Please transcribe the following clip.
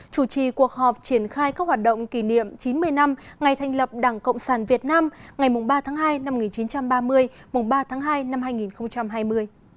chủ trì cuộc họp triển khai các hoạt động kỷ niệm chín mươi năm ngày thành lập đảng cộng sản việt nam ngày ba tháng hai năm một nghìn chín trăm ba mươi ba tháng hai năm hai nghìn hai mươi